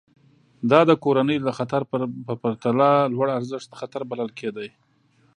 دا د کورنۍ د خطر په پرتله لوړارزښت خطر بلل کېده.